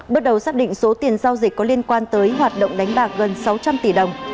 bước đầu xác định số tiền giao dịch có liên quan tới hoạt động đánh bạc gần sáu trăm linh tỷ đồng